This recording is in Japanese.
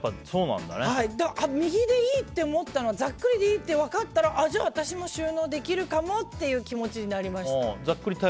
右でいいと思ったのはざっくりでいいって分かったらじゃあ、私も収納できるかもっていう気持ちになりました。